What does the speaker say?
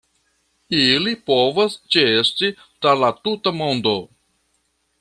Ili povas ĉeesti tra la tuta mondo.